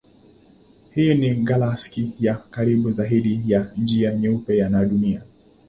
Hii ni galaksi ya karibu zaidi na Njia Nyeupe na Dunia.